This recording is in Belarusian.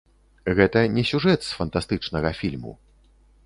Гэта не сюжэт з фантастычнага фільму.